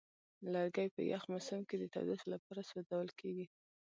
لرګی په یخ موسم کې د تودوخې لپاره سوځول کېږي.